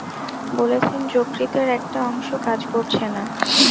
বলেছেন যকৃতের একটা অংশ কাজ করছে না।